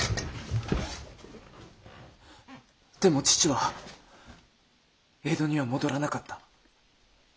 でも父は江戸には戻らなかった。